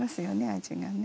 味がね。